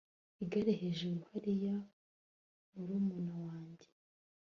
Igare hejuru hariya murumuna wanjye